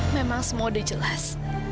memang semua udah jelas